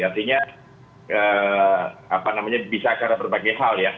artinya bisa karena berbagai hal ya